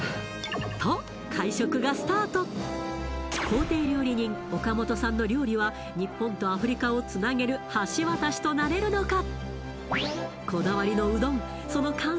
公邸料理人岡本さんの料理は日本とアフリカをつなげる橋渡しとなれるのか？